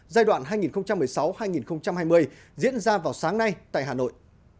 giai đoạn hai nghìn một mươi sáu hai nghìn hai mươi diễn ra vào sáng nay tại hà nội